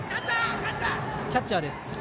キャッチャーです。